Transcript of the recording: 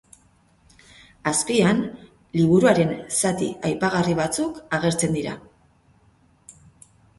Azpian, liburuaren zati aipagarri batzuk agertzen dira.